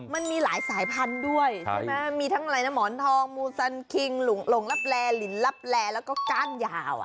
มันมีหลายสายพันธุ์ด้วยใช่ไหมมีทั้งอะไรนะหมอนทองมูซันคิงหลงลับแลลินลับแลแล้วก็ก้านยาว